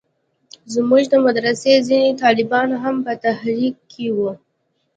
زموږ د مدرسې ځينې طالبان هم په تحريک کښې وو.